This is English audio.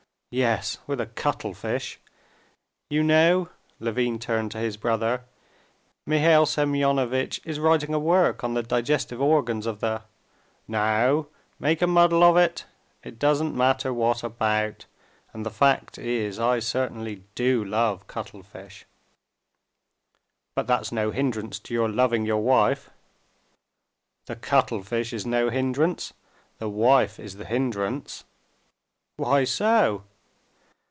"Yes, with a cuttlefish! You know," Levin turned to his brother, "Mihail Semyonovitch is writing a work on the digestive organs of the...." "Now, make a muddle of it! It doesn't matter what about. And the fact is, I certainly do love cuttlefish." "But that's no hindrance to your loving your wife." "The cuttlefish is no hindrance. The wife is the hindrance." "Why so?"